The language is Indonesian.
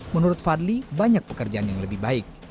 menurut fadli banyak pekerjaan yang lebih baik